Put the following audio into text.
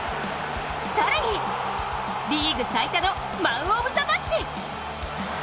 更に、リーグ最多のマンオブザマッチ。